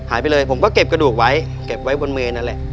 หายไปเลยผมก็เก็บกระดูกไว้เก็บไว้บนมือนั่นแหละ